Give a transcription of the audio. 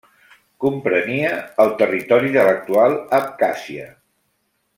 Comprenia el territori de l'actual Abkhàzia.